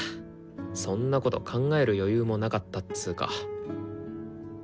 そんなこと考える余裕もなかったっつか。